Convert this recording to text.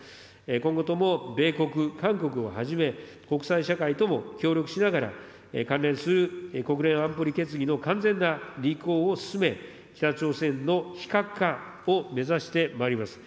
今後とも米国、韓国をはじめ、国際社会とも協力しながら、関連する国連安保理決議の完全な履行を進め、北朝鮮の非核化を目指してまいります。